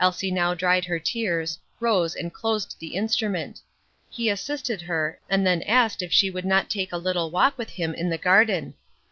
Elsie now dried her tears, rose and closed the instrument. He assisted her, and then asked if she would not take a little walk with him in the garden.